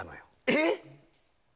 えっ！